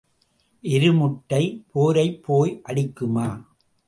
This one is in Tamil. எருமுட்டைப் போரைப் பேய் அடிக்குமா?